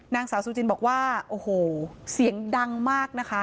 นางสาวซูจินบอกว่าโอ้โหเสียงดังมากนะคะ